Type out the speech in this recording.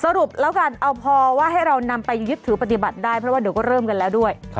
สรุปแล้วกันเอาพอว่าให้เรานำไปยึดถือปฏิบัติได้เพราะว่าเดี๋ยวก็เริ่มกันแล้วด้วย